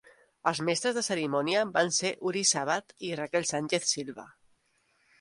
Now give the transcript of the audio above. Els mestres de cerimònia van ser Uri Sàbat i Raquel Sánchez Silva.